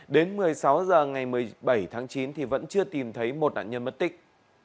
đến một mươi sáu h ngày một mươi bảy tháng chín vẫn chưa tìm thấy một nạn nhân mất tích